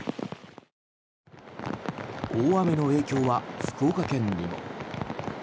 大雨の影響は、福岡県にも。